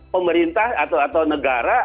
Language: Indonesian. pemerintah atau negara